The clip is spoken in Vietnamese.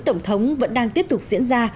tổng thống vẫn đang tiếp tục diễn ra